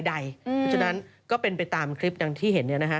เพราะฉะนั้นก็เป็นไปตามคลิปดังที่เห็น